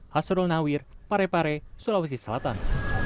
hasrul nawir parepare sulawesi selatan